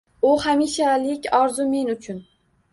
U hamishalik orzu men uchun.